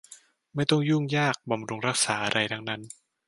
ไม่ต้องยุ่งยากบำรุงรักษาอะไรทั้งนั้น